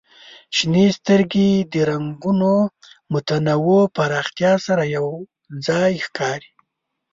شنې سترګې د رنګونو متنوع پراختیا سره یو ځای ښکاري.